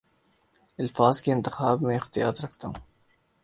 الفاظ کے انتخاب میں احتیاط رکھتا ہوں